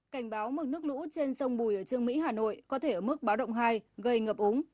cảnh báo mực nước lũ trên sông bùi ở trương mỹ hà nội có thể ở mức báo động hai gây ngập úng